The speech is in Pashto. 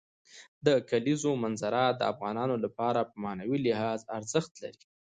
د کلیزو منظره د افغانانو لپاره په معنوي لحاظ ارزښت لري.